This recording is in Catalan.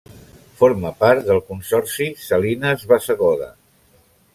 Forma part del Consorci Salines Bassegoda.